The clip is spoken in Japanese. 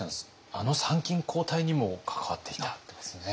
あの参勤交代にも関わっていたんですね。